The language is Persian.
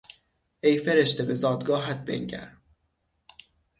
ای فرشته به زادگاهت بنگر!